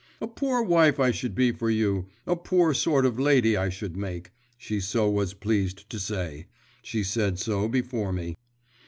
'A poor wife I should be for you, a poor sort of lady I should make,' so she was pleased to say, she said so before me."